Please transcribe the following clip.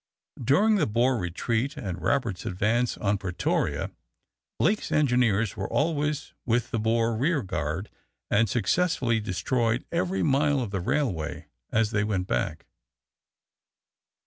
During the Boer retreat and Roberts's advance on Pretoria, Blake's engineers were always with the Boer rearguard and successfully destroyed every mile of the railway as they went back.